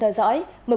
của sản phẩm